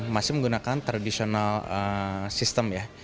masih menggunakan traditional system ya